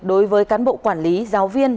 đối với cán bộ quản lý giáo viên